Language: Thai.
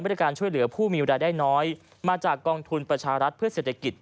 ด้วยการช่วยเหลือผู้มีเวลาได้น้อยมาจากกองทุนประชารัฐเพื่อเศรษฐกิจ